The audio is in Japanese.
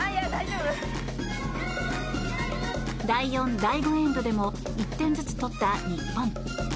第４、第５エンドでも１点ずつ取った日本。